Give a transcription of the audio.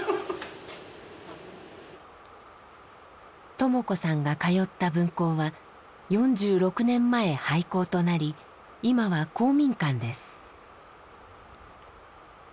トモ子さんが通った分校は４６年前廃校となり今は公民館です。